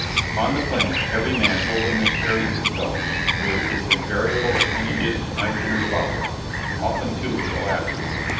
"On the plains every man openly carries his belt with its invariable appendages, knife and revolver often two of the latter.